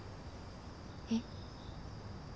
えっ。